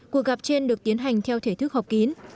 cuộc gặp trên được tiến hành theo thể thức họp kín